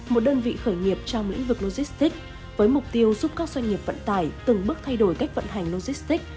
một đơn vị khởi nghiệp trong lĩnh vực logistics với mục tiêu giúp các doanh nghiệp vận tải từng bước thay đổi cách vận hành logistics